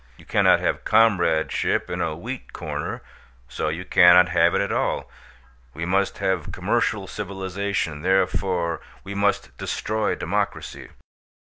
You cannot have comradeship in a wheat corner; so you cannot have it at all. We must have commercial civilization; therefore we must destroy democracy."